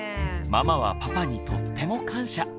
ママはパパにとっても感謝。